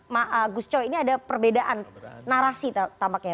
ma agus coy ini ada perbedaan narasi tampaknya